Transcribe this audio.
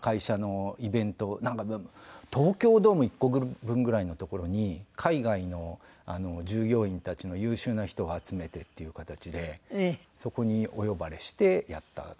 なんか東京ドーム１個分ぐらいの所に海外の従業員たちの優秀な人を集めてっていう形でそこにお呼ばれしてやった時。